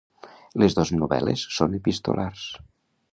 Les dos novel·les són epistolars.